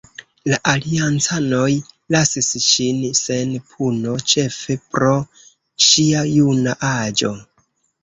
La aliancanoj lasis ŝin sen puno, ĉefe pro ŝia juna aĝo.